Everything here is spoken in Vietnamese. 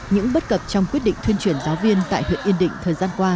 những bất cập trong quyết định thuyên giáo viên tại huyện yên định thời gian qua